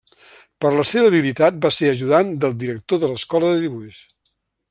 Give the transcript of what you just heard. Per la seva habilitat va ser ajudant del director de l'Escola de dibuix.